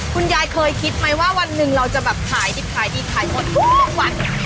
คุณยายเคยคิดไหมว่าวันหนึ่งเราจะแบบขายดิบขายดีขายหมดทุกวัน